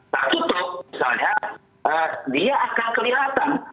tak tutup misalnya dia akan kelihatan